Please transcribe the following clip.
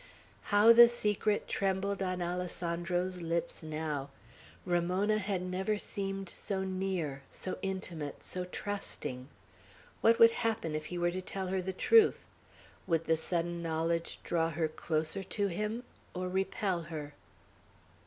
How the secret trembled on Alessandro's lips now. Ramona had never seemed so near, so intimate, so trusting. What would happen if he were to tell her the truth? Would the sudden knowledge draw her closer to him, or repel her?